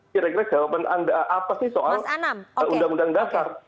kira kira jawaban anda apa sih soal undang undang dasar